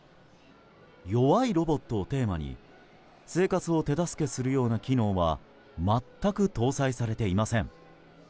弱いロボットをテーマに生活を手助けするような機能は全く搭載されていません。